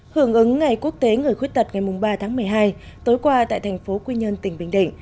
hưởng ứng ngày quốc tế người khuyết tật ngày ba tháng một mươi hai tối qua tại thành phố quy nhơn tỉnh bình định